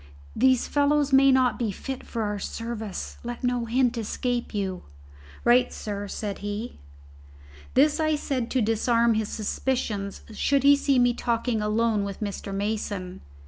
These fellows may not be fit for our service. Let no hint escape you." "Right, sir," said he. This I said to disarm his suspicions should he see me talking alone with Mr. Mason.